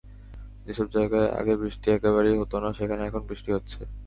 যেসব জায়গায় আগে বৃষ্টি একেবারেই হতো না, সেখানে এখন বৃষ্টি হচ্ছে।